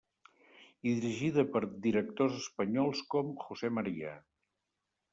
I dirigida per directors espanyols com José Ma.